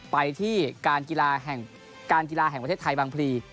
ไปที่การกีฬาแห่งประเทศไทยบางพลี